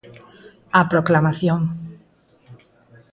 A proclamación.